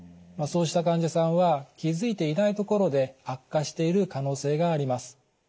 そうした患者さんは気付いていないところで悪化している可能性があります。